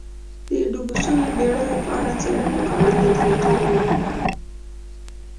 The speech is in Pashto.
د ډوبو شویو بېړیو په اړه څېړنې کارنده طریقه ده.